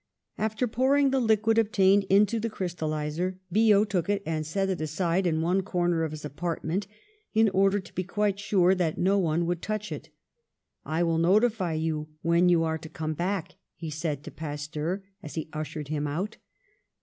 "After pouring the liquid obtained into the crystalliser, Biot took it and set it aside in one corner of his apartment, in order to be quite sure that no one would touch it. ^I will notify you when you are to come back,' he said to Pas teur as he ushered him out.